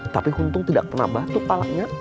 tapi untung tidak pernah batu palanya